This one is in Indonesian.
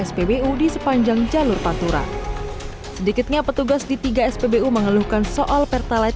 spbu di sepanjang jalur pantura sedikitnya petugas di tiga spbu mengeluhkan soal pertalite